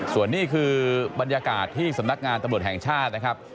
ส่วนนี้คือบรรยากาศที่สำนักงานตำรวจแห่งชาตินะครับ